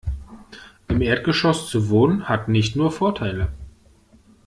Im Erdgeschoss zu wohnen, hat nicht nur Vorteile.